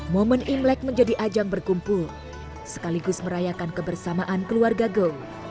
momen imlek menjadi ajang berkumpul sekaligus merayakan kebersamaan keluarga go